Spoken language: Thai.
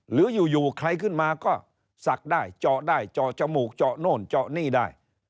หรืออยู่ใครขึ้นมาก็ศักดิ์ได้เจาะได้เจาะจมูกเจาะโน่นเจาะนี่ได้